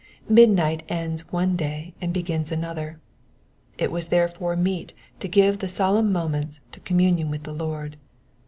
Midnight ends one day and begins another, it was therefore meet to give the solemn moments to com munion with the Lord.